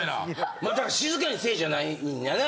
まあだから静かにせえじゃないんやな。